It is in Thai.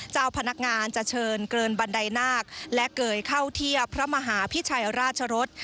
เจ้าพนักงานจะเชิญเกินบันไดนาคและเกยเข้าเทียบพระมหาพิชัยราชรส